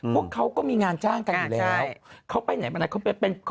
พวกเขาก็มีงานจ้างกันอยู่แล้ว